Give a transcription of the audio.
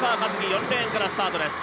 ４レーンからスタートです。